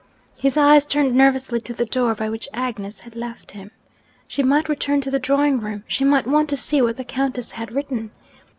His eyes turned nervously to the door by which Agnes had left him. She might return to the drawing room, she might want to see what the Countess had written.